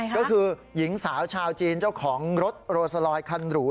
ก็คือหญิงสาวชาวจีนเจ้าของรถโรซาลอยคันหรู